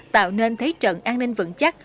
tạo nên thế trận an ninh vững chắc